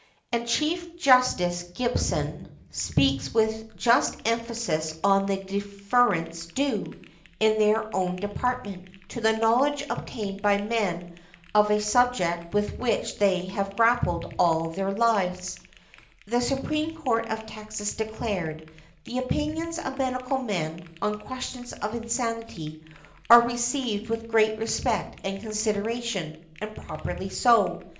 And Chief Justice Gibson speaks with just emphasis of the the deference due, in their own department, to the knowledge obtained by men of a subject with which they have grappled all their lives . The Supreme Court of Texas declared, "The opinions of medical men (on questions of insanity) are received with great respect and consideration, and properly so."